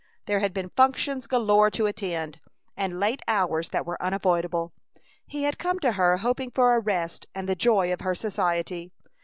There had been functions galore to attend, and late hours that were unavoidable. He had come to her hoping for a rest and the joy of her society.